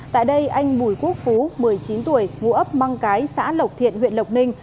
tại đây anh bùi quốc phú một mươi chín tuổi ngụ ấp mang cái xã lộc thiện huyện lộc ninh